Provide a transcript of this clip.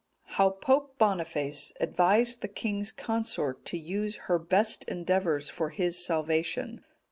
How Pope Boniface advised the king's consort to use her best endeavours for his salvation.